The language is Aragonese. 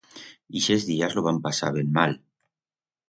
Ixes días lo va pasar ben mal.